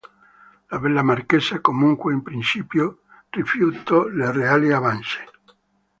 La bella marchesa, comunque, in principio rifiuto le reali avance.